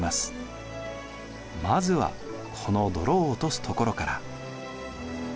まずはこの泥を落とすところから。